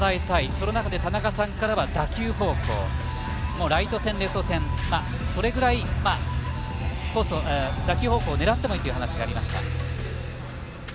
その中で田中さんからは打球方向、ライト線、レフト線それぐらい打球方向を狙ってもいいという話がありました。